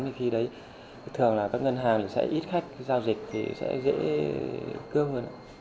thì khi đấy thường là các ngân hàng sẽ ít khách giao dịch thì sẽ dễ cơm hơn